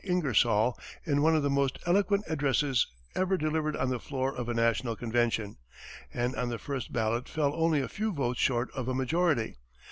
Ingersoll in one of the most eloquent addresses ever delivered on the floor of a national convention, and on the first ballot fell only a few votes short of a majority.